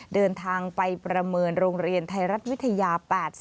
เดินทางไปประเมินโรงเรียนไทยรัฐวิทยา๘๐